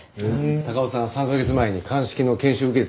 高尾さん３カ月前に鑑識の研修受けてたんですって。